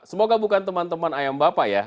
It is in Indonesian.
semoga bukan teman teman ayam bapak ya